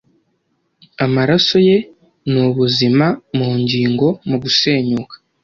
Amaraso ye ni ubuzima mu ngingo mu gusenyuka